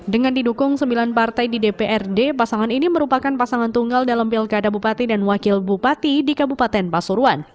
dengan didukung sembilan partai di dprd pasangan ini merupakan pasangan tunggal dalam pilkada bupati dan wakil bupati di kabupaten pasuruan